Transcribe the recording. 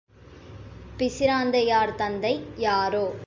பிசிராந்தையார் தந்தை யாரோ?